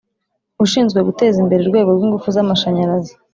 ushinzwe guteza imbere urwego rwingufu z’amashanyarazi